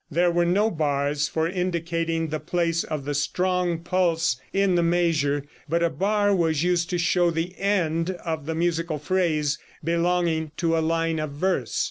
There were no bars for indicating the place of the strong pulse in the measure, but a bar was used to show the end of the musical phrase belonging to a line of verse.